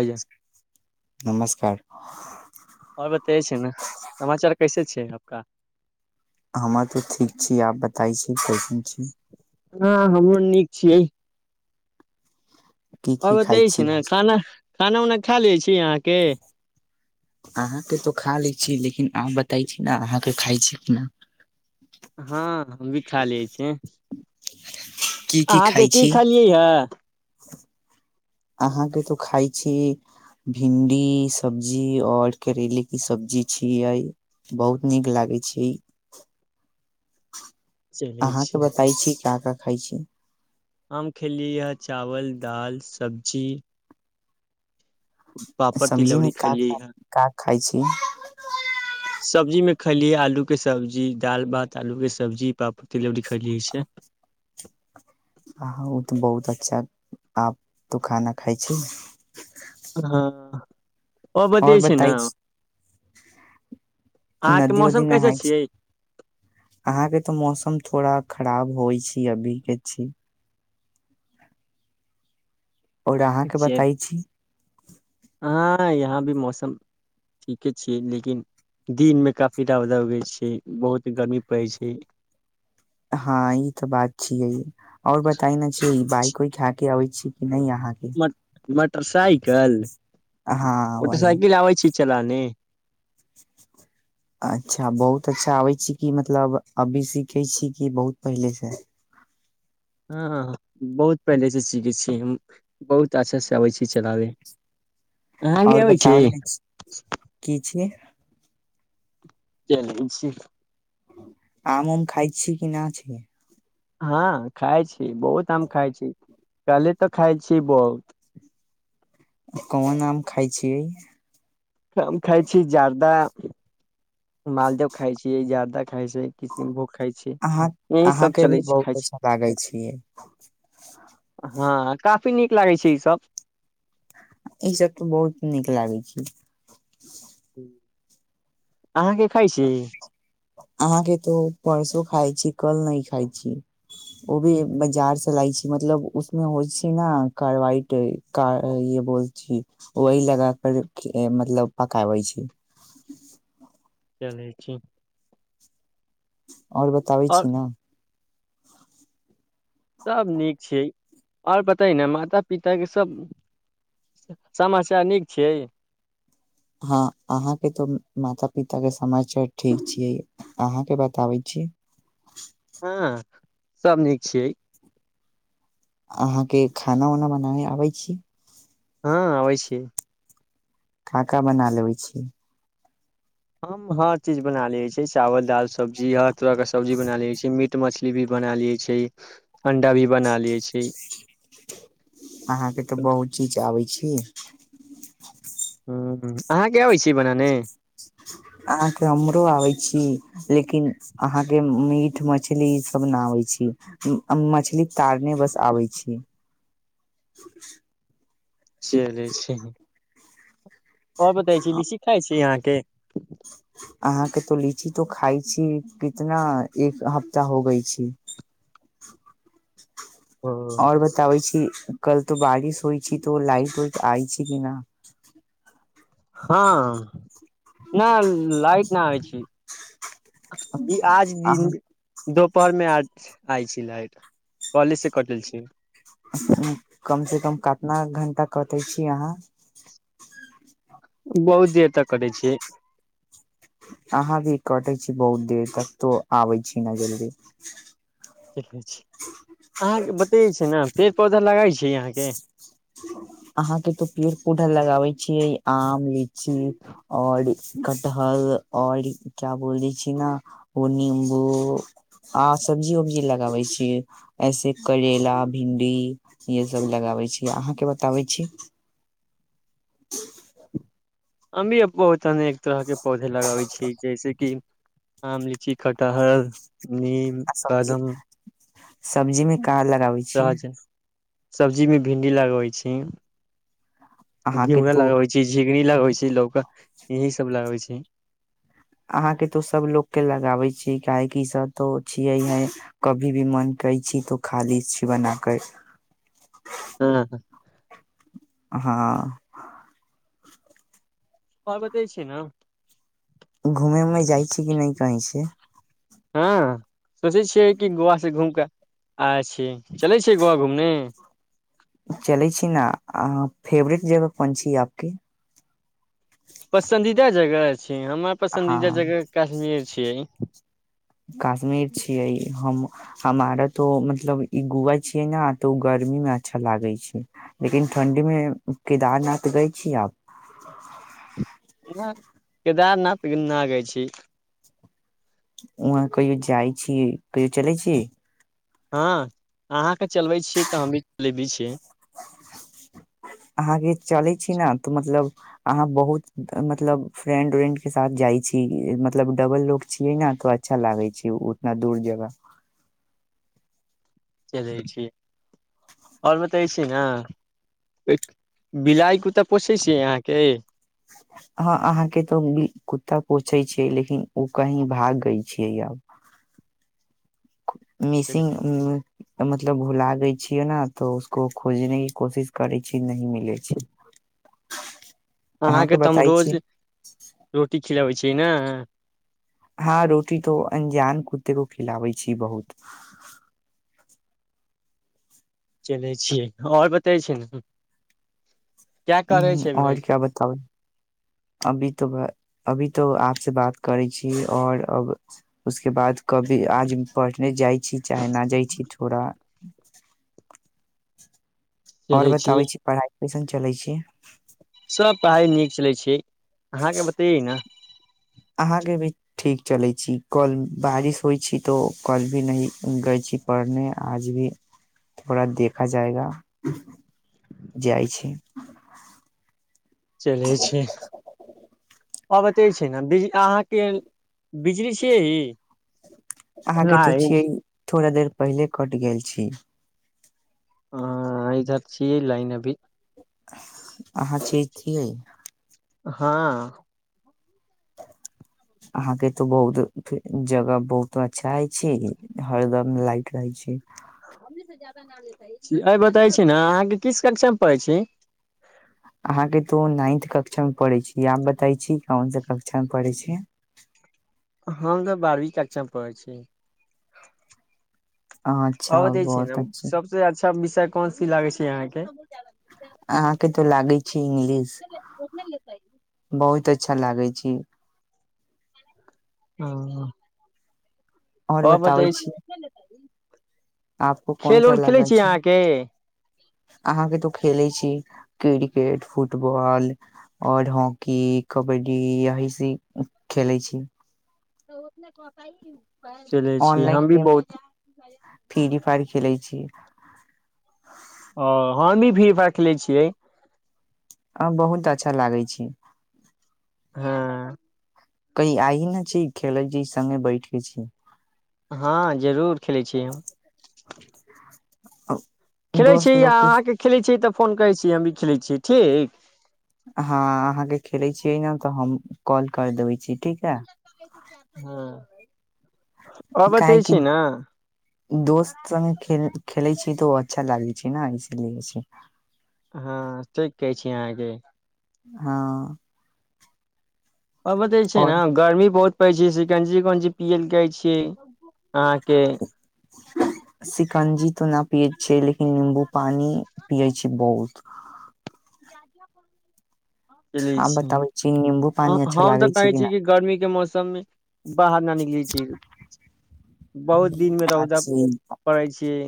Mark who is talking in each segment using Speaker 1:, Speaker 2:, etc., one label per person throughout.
Speaker 1: हलो
Speaker 2: नमस्कार।
Speaker 1: आओर बतय छै ने समाचार कैसे छै आपका।
Speaker 2: हमर तऽ ठीक छी आब बताइ छी कैसन छी।
Speaker 1: हँ हमहुँ नीक छियै।
Speaker 2: की की
Speaker 1: आबतै
Speaker 2: खाइ छी
Speaker 1: छै ने खाना। खाना उना खा लै छी। अहाँके,
Speaker 2: अहाँके तो खा लै छी लेकिन आब बताै छी ने अहाँके खाइ छी केना।
Speaker 1: हँ हम भी खा लेल छ।
Speaker 2: [inaudible]
Speaker 1: अहाँके
Speaker 2: खाइ
Speaker 1: की
Speaker 2: छी
Speaker 1: खलियै ह।
Speaker 2: अहाँके तो खाइ छी। भिंडी सब्जी, आओर करेले की सब्जी छियै बहुत नीक लागै छै।
Speaker 1: चलै
Speaker 2: अहाँके
Speaker 1: छी
Speaker 2: बताई छी का का। खाइ छी,
Speaker 1: हम खेलियैए चावल दालि सब्जी। पापड़
Speaker 2: सब्जीमे,
Speaker 1: तिलौरी खेलियै हे
Speaker 2: खाइ छी।
Speaker 1: सब्जी में खलियै आलू के सब्जी दाल भात आलू के सब्जी। प्रापतिलरी खइलीऐ छै।
Speaker 2: आ ओ तऽ बहुत अच्छा आब तऽ खाना खाइ छी।
Speaker 1: हँ आबिते
Speaker 2: और
Speaker 1: छै न
Speaker 2: बताइ नदी उदी
Speaker 1: कैसे
Speaker 2: नहाय छै अहाँके तऽ मौसम थोड़ा खराब होइ छै अभी के छी आओर अहाँके
Speaker 1: छियै
Speaker 2: बताय छी [inaudible]
Speaker 1: हँ यहाँ भी मौसम ठीके छियै लेकिन दिनमे काफी रौदा उगै छै बहुत गरमी पड़ै छै
Speaker 2: हँ ई तऽ बात छियै आओर बताई न [unintelligible] के आबै छी नहि अहाँके
Speaker 1: मोटरसाइकिल
Speaker 2: हँ वही
Speaker 1: मोटरसाइकिल आबे छै चलाने
Speaker 2: अच्छा बहुत अच्छा आबै छी कि मतलब अभी सीखै छी कि बहुत पहिलेसँ
Speaker 1: हँ बहुत पहिलेसँ सीखै छी हम बहुत अच्छासँ आबैत अछि चलाबे अहाँके
Speaker 2: आओर
Speaker 1: अबै छी
Speaker 2: बताबै की छी
Speaker 1: चलय छी
Speaker 2: आम उम खाय छी कि नहि छी
Speaker 1: हँ खाइ छी बहुत आम खाइ छी कहलि तऽ खाइ छी बहुत
Speaker 2: कोन आम खाय छियै
Speaker 1: हम खाइ छी ज्यादा मालदह खाइ छियै ज्यादा
Speaker 2: अहाँ
Speaker 1: यही सब
Speaker 2: अहाँके भी
Speaker 1: चलै छै
Speaker 2: बहुत
Speaker 1: खाय छी
Speaker 2: अच्छा लागै छियै
Speaker 1: हँ काफी नीक लागै छै ई सब
Speaker 2: ई सब तऽ बहुत नीक लागै छै
Speaker 1: अहाँके खाय छी
Speaker 2: अहाँके तो परसो खाइ छी कल नहि खाइ छी ओ भी बाजारसँ लाइ छी मतलब उसमे होइ छै ने कारवाइट कार य बोल छी वही लगा कर मतलब पकाबै छी
Speaker 1: चलै छी
Speaker 2: [inaudible] आओर बताबै
Speaker 1: आओर
Speaker 2: छी न [inaudible]
Speaker 1: सभ नीक छियै आओर बताई ने माता पिताके सभ समाचार नीक छैय
Speaker 2: हँ अहाँके तऽ माता पिता के समाचार ठीक छियै अहाँके बताबै छी
Speaker 1: हँ सभ नीक छियै
Speaker 2: अहाँके खाना उना बनाबै आबै छी
Speaker 1: हँ आबै छिय
Speaker 2: का का बना लेबै छियै
Speaker 1: हम हर चीज बना लेबै छी चावल दाल सब्जी आर तरह के सब्जी बना लय छी मीट मछली मछली भी बना लै छै अंडा भी बना लै छै
Speaker 2: की
Speaker 1: ह ह आ
Speaker 2: आ कि हमरो आबय छी लेकिन अहाँके मीट मछली ई सब न आबै छी अ मछली तारने बस आबै छी
Speaker 1: चलै छै आ बताए छी लीची खाइ छी यहाँके
Speaker 2: अहाँके तो लीची तो खाइ छी कितना एक हफ्ता हो गई छी
Speaker 1: ओ
Speaker 2: आओर बताबै छी कल तऽ बारिश होइ छी तो लाट उइट आइ छी कि न
Speaker 1: हँ न लाइट नहि आ छै ई आज दिन
Speaker 2: अहाँ
Speaker 1: द पर मे आइ छी लाइट कॉलेज से कटल छी
Speaker 2: कम से तम कतना घण्टा कटै छी अहाँ
Speaker 1: बहुत देर तक कटै छियै
Speaker 2: अहाँ भी कटै छी बहुत देर तक तो आबै छी न जल्दी
Speaker 1: ठीके छै अहाँके बतेै छै न पेड़ पौधा लगाइ छै यहाँके
Speaker 2: अहाँ के तो पेड़ पौधा लगाबे छियै आम लीची आओर कठहल आओर क्या बोले छी ने ओ नींबू आ सब्जी उब्जी लगाबे छै ऐसे करेला भिंडी ये सब लगाबे छी अहाँके बताबै छी [inaudible]
Speaker 1: अमो अ बत तनेक तरहके पौधे लगाबै छी जैसेक कि आम लीची खटहल नीम कदम
Speaker 2: सब्जीमे कहाँ लगाबै छियै
Speaker 1: सब्जीमे भिंडी लगबै छी
Speaker 2: अहाँ के
Speaker 1: घिउरा
Speaker 2: तो
Speaker 1: लगबै छै झिगनी लगबै छै लोकक यही सब लगबै छी
Speaker 2: अहाँके तो सभ लोकोगके लगाबै छियै काहेकि सभ तो छियै हे कभी भी मन करै छी तो खाली छी बना क
Speaker 1: अ
Speaker 2: ऑंहा
Speaker 1: ओर बतै छ ने
Speaker 2: घूमे उमे जाइ छी कि नहि कहै छै
Speaker 1: हँ सोचै छियै कि गोव से घूम कऽ आ छी चलै छि गोवा घूमने
Speaker 2: चलै छी न फेवरेट जगह कोन छ आपके
Speaker 1: पसन्दीदा जगह हमर पसन्दीदा
Speaker 2: हँ
Speaker 1: जगह कश्मीर छियै
Speaker 2: कश्मीर छियै हम हमारा तऽ मतलब ई गुआ छियै ने तऽ ओ गर्मीमे अच्छा लागै छै लेकिन ठण्ढीमे केदारनाथ गै छियै आब
Speaker 1: नहि केदारनाथ ग न गै छी
Speaker 2: वहाँ कहियो जाइ छी कहियो चलै छी
Speaker 1: हँ अहाँके चलबै छियै तऽ हमही चलेबी छियै
Speaker 2: अहाँके चलै छी ने तऽ मतलब अहाँ बहुत मतलब फ्रेंड उ्रेंड के साथ जाइ छी मतलब डबल लोको छियै ने तऽ अच्छा लागै छै उतना दूर जगह
Speaker 1: चलै छी आओर बतै छी ने बिलाइ कु्ता पोसै छियै अहाँके
Speaker 2: हँ अहाँके तऽ कुत्ता पोछै छियै लेकिन ओ कहीं भाग गय छियै अब मिसिंग हुँ तऽ मतलब भुला देय छियै ने तऽ उसको खोजने क कोशिश करै छी नय मिलै छै
Speaker 1: अहाँके तऽ हम
Speaker 2: बताय छी
Speaker 1: रोज रोटी खिलाबै छियै ने
Speaker 2: हँ रोटी त अनजान कुते खिलाबै छी बहुत
Speaker 1: चलै छियै आओर बतै छै ने क्या
Speaker 2: ह
Speaker 1: करै छै भाय
Speaker 2: आओर क्या बताबै अभी तऽ अभी तो आपसँ बात करै छी और अब उसके बाद कभी आज पढ़ने जाइ छी चाहे न जाइ छी थोड़ा आओर
Speaker 1: चलै
Speaker 2: बताबै
Speaker 1: छियै
Speaker 2: छी पढ़ाइ कैसन चलै छिय
Speaker 1: सभ पढ़ाइ नीक चलैत छै अहाँके बतैैय ने
Speaker 2: अहाँके भी ठीक चलै छी कल बारिश होइ छी तो कल भी नहिह गई छी पढ़ने आज भी थोड़ा देखा जायगा जाइ छी
Speaker 1: चलै छै आ बते छै ने बिज अहाँके बिजली छियै
Speaker 2: अहाँके तो
Speaker 1: लाइन
Speaker 2: छियै थोड़ा देर पहिले कटि गेल छी
Speaker 1: ह इधर छियै लाइन अभी
Speaker 2: अहाँ च छियै
Speaker 1: हँ
Speaker 2: अहाँके तो बहुत जगह बहुत अच्छा हइ छै हरदम लाइट रहै छै
Speaker 1: अ बताै छी ने अहाँके किस कक्षामे पैढ़ छी
Speaker 2: अहाँके तो नाइन्थ कक्षा मे पढ़ै छी आब बताै छी कोउन स कक्षामे पढ़ै छी
Speaker 1: हमँ तऽ बारवी कक्षाचामे पैढ़ छी आ
Speaker 2: अच्छा
Speaker 1: त छै
Speaker 2: बहुत
Speaker 1: ने
Speaker 2: अच्छा
Speaker 1: सबसँ अच्छा सब विषय क कोन सी लागे छै यहाँके
Speaker 2: अहाँके त लागे छै इंग्लिश बहुत अ अच्छा लागै छी
Speaker 1: ह
Speaker 2: आओर बताबै छी आपको कोन
Speaker 1: खेल
Speaker 2: सा
Speaker 1: उल खेलै
Speaker 2: लागै
Speaker 1: छी अहाँके
Speaker 2: अहाँके तो खेलैत छी क्रिकेट फुटबॉल आओर हॉकी कबड्डी यहीस खेलैत छी
Speaker 1: [unintelligible] चलै छी हम भी बहुत
Speaker 2: पर खेलै छीियै
Speaker 1: ओ हमी भी राखले छियै
Speaker 2: अ बहुत अच्छा लागै छै
Speaker 1: हँ
Speaker 2: कही आइ ने छी खेलै छी सङ बैठ के छी
Speaker 1: हँ जरूर खेलै छियै
Speaker 2: ह
Speaker 1: खेलैत छी आ अहाँके खेलैत छी तऽ फोन करै छी हम भी खेलै छियै ठीक
Speaker 2: हँ अहाँके खेले छियै ने तऽ हम कॉल कर देबै छी ठीक है
Speaker 1: [unintelligible] आओर
Speaker 2: काहे
Speaker 1: बतै
Speaker 2: की
Speaker 1: छी ने
Speaker 2: दोस्त संगे खेल खेलै छी तऽ ओ अच्छा लागै छै ने इसीलिए से
Speaker 1: हँ ठीक कहै छी अहाँके
Speaker 2: हँ
Speaker 1: आबते छै ने
Speaker 2: और
Speaker 1: गर्मी बहुत कहै छी सिकंजी कौन चीज पिय ल कहै छियै आं
Speaker 2: शिकंजी तऽ नहि पियए छ लेकिन नीम्बू पानी पियै छी बहुत
Speaker 1: [inaudible] चलै
Speaker 2: आब
Speaker 1: छी
Speaker 2: बताबै निम्बू पानी
Speaker 1: हम
Speaker 2: अच्छा
Speaker 1: अं तऽ
Speaker 2: लागे छै
Speaker 1: कहै छी
Speaker 2: ना
Speaker 1: कि गर्मी के मौसम सबमे बाहर न निकल छै बहुत दिनमे रौदा
Speaker 2: छियै
Speaker 1: पड़ै छियै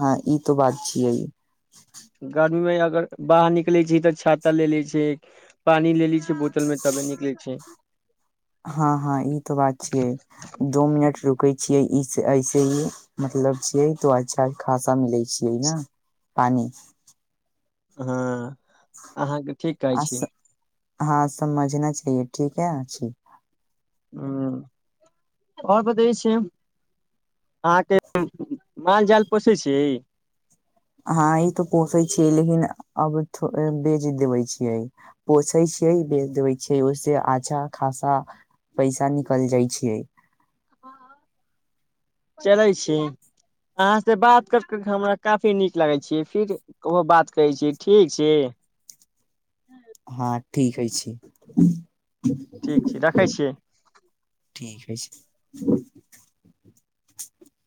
Speaker 2: हँ ई तऽ बात छियै
Speaker 1: गर्मी मे अगर बाहर निकले छै तऽ छाता ले ले छै पानी ले ले छै बहुत तबे तबे निकलै छै
Speaker 2: हँ हँ ई तो बात छियै दो मिनट रुकै छियै ई से एहि से ई मतलब छियै तो अच्छा खासा मिलै छियै न पानि
Speaker 1: हँ अहाँके ठीक
Speaker 2: आ
Speaker 1: अइछ
Speaker 2: हँ समझना चाहिए ठीक है अछि
Speaker 1: [unintelligible] अहाँ के मालजाल पोसैय छी
Speaker 2: हँ ई त पोसै छियै लेकिन अबथ बेच देबे छियै पोसै छियै बेच देबे छियै ओहिस अच्छा खासा पैसा निकल जाइ छियै
Speaker 1: चलै छी अहाँसे बात कर कर के हमरा काफी नीक लागै छैय फिर एगो बात कहै छी ठीक छी
Speaker 2: हँ ठीक अइछी
Speaker 1: ठीक छी रखै छियै
Speaker 2: ठीक ऐछ ह [unintelligible]